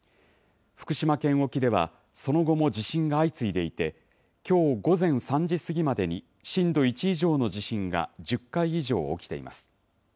福島県沖ではその後も地震が相次いでいてきょう午前３時過ぎまでに震度１以上の地震が１０回以上起きています。